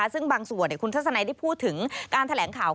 ซึ่งบางส่วนคุณทัศนัยได้พูดถึงการแถลงข่าว